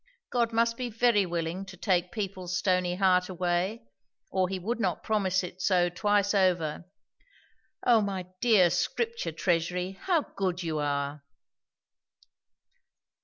God must be very willing to take people's stony heart away, or he would not promise it so twice over. O my dear "Scripture Treasury"! how good you are!